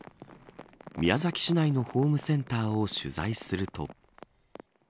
宮崎市内のホームセンターを取材すると。